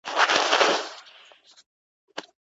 که دخول صورت نيولی وي او که ئې نه وي نيولی.